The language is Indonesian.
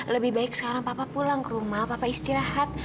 lebih baik sekarang papa pulang ke rumah papa istirahat